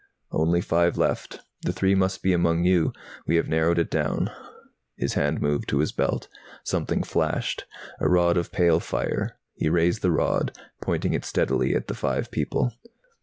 "Only five left. The three must be among you. We have narrowed it down." His hand moved to his belt. Something flashed, a rod of pale fire. He raised the rod, pointing it steadily at the five people.